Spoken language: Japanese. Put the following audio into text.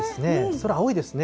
空、青いですね。